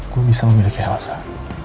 gue bisa memiliki alasan